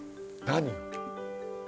何？